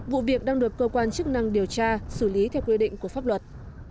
vụ việc đang được cơ quan chức năng điều tra xử lý theo quy định của pháp luật